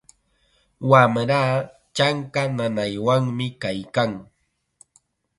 Wamraa chanka nanaywanmi kaykan.